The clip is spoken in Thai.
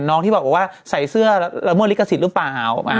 น้องที่บอกว่าใส่เสื้อละเมื่อริกสิทธิ์รึเปล่า